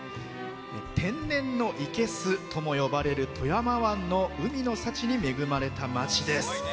天然の生けすとも呼ばれる富山湾の海の幸に恵まれた町です。